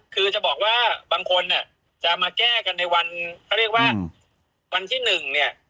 คือจะบอกว่าบางคนเนี่ยจะมาแก้กันในวันเขาเรียกว่าวันที่หนึ่งเนี่ย